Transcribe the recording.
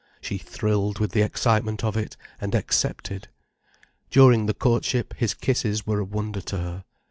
She thrilled with the excitement of it, and accepted. During the courtship, his kisses were a wonder to her.